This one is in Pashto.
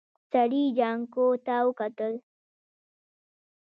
سړي جانکو ته وکتل.